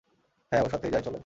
হ্যাঁ, ওর সাথেই যাই, চলো।